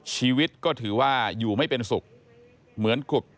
ชีวิตก็ถือว่าอยู่ไม่เป็นสุข